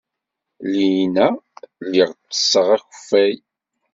Llinna, lliɣ ttesseɣ akeffay.